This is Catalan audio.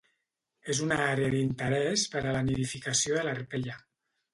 És una àrea d'interès per a la nidificació de l'arpella.